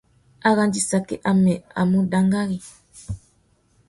Arandissaki amê i mú dangari.